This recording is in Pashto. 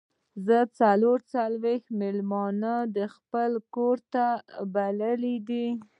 زه څلور ویشت میلمانه د خپل کور ته بللي دي.